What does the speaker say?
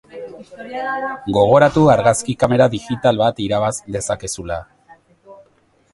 Gogoratu argazki kamera digital bat irabaz dezakezula!